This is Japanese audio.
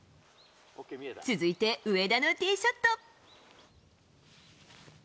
続いて上田のティーショット。